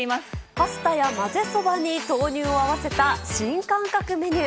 パスタや混ぜそばに豆乳を合わせた新感覚メニュー。